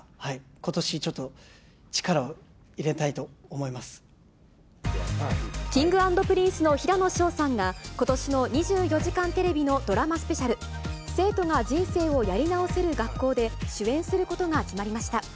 ことし、Ｋｉｎｇ＆Ｐｒｉｎｃｅの平野紫耀さんが、ことしの２４時間テレビのドラマスペシャル、生徒が人生をやり直せる学校で、主演することが決まりました。